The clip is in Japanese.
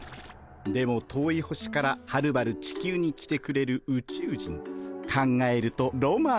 でも遠い星からはるばる地球に来てくれるウチュウ人考えるとロマンです。